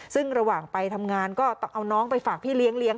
ซึ่งระหว่างไปทำงานก็ต้องเอาน้องไปฝากพี่เลี้ยง